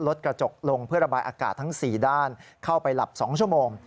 ลดกระจกลงเพื่อระบายอากาศทั้ง๔ด้านเข้าไปหลับ๒ชั่วโมง